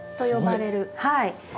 はい。